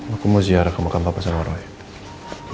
aku mau siar ke makam pasang warung